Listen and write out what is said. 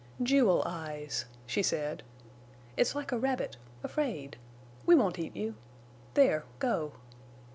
"Jewel eyes," she said. "It's like a rabbit—afraid. We won't eat you. There—go."